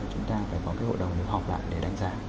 chúng ta phải có cái hội đồng để họp lại để đánh giá